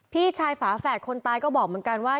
พี่ชายฝาแฝดคนตายก็บอกเหมือนกันว่า